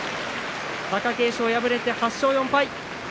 貴景勝、敗れて８勝４敗。